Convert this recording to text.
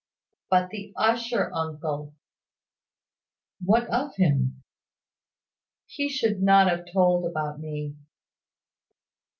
"But the usher, uncle?" "What of him?" "He should not have told about me."